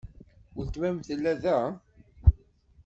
Weltma-m tella da?